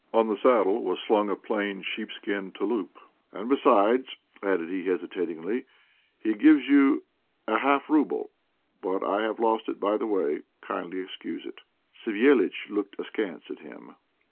On the saddle was slung a plain sheepskin "touloup." "And, besides," added he, hesitatingly, "he gives you a half rouble, but I have lost it by the way; kindly excuse it." Savéliitch looked askance at him.